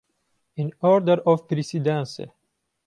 "In order of precedence"